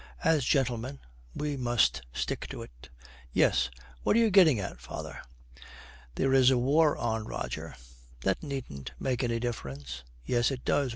As gentlemen we must stick to it.' 'Yes. What are you getting at, father?' 'There is a war on, Roger.' 'That needn't make any difference.' 'Yes, it does.